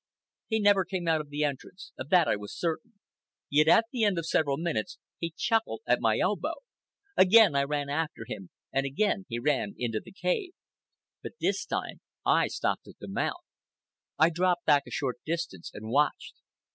He never came out of the entrance, of that I was certain; yet at the end of several minutes he chuckled at my elbow. Again I ran after him, and again he ran into the cave; but this time I stopped at the mouth. I dropped back a short distance and watched.